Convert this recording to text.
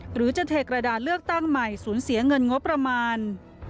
หรือจะเทกระดาษเลือกตั้งใหม่สูญเสียเงินงบประมาณ